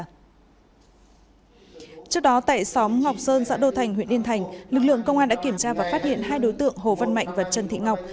trước đó tại xóm ngọc sơn xã đô thành huyện yên thành lực lượng công an đã kiểm tra và phát hiện hai đối tượng hồ văn mạnh và trần thị ngọc